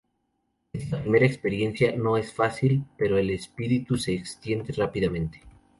Esta primera experiencia no es fácil, pero el espíritu se extiende rápidamente.